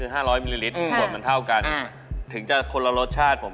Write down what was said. เริ่มแต่แกงแต่ข้อ๒แล้วค่ะคุณผู้ชม